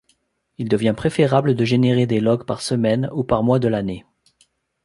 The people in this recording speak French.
Il devient préférable de générer des logs par semaine ou par mois de l'année.